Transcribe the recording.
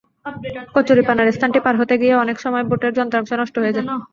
কচুরিপানার স্থানটি পার হতে গিয়ে অনেক সময় বোটের যন্ত্রাংশ নষ্ট হয়ে যায়।